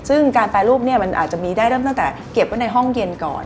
ซึ่งการแปรรูปเนี่ยมันอาจจะมีได้เริ่มตั้งแต่เก็บไว้ในห้องเย็นก่อน